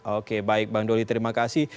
oke baik bang doli terima kasih